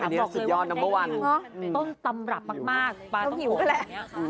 อันนี้สุดยอดนัมเบอร์วันต้นตำรับมากปลาต้มโถแหละ